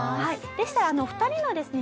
でしたらお二人のですね